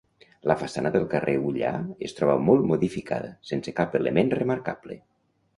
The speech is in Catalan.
La façana del carrer Ullà es troba molt modificada, sense cap element remarcable.